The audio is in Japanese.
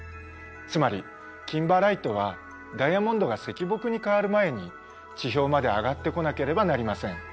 つまりキンバーライトはダイヤモンドが石墨に変わる前に地表まで上がってこなければなりません。